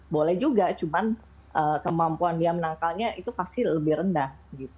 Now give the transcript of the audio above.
boleh juga cuman kemampuan dia menangkalnya itu pasti lebih rendah